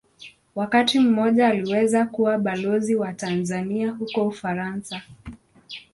Wakati mmoja aliweza kuwa Balozi wa Tanzania huko Ufaransa.